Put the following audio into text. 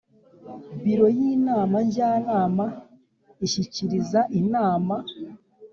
Biro y’Inama Njyanama ishyikiriza Inama